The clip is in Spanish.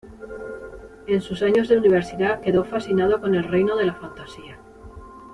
En sus años de universidad quedó fascinado con el reino de la fantasía.